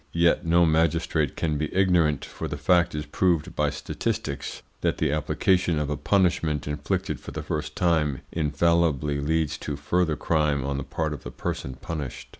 Yet no magistrate can be ignorant, for the fact is proved by statistics, that the application of a punishment inflicted for the first time infallibly leads to further crime on the part of the person punished.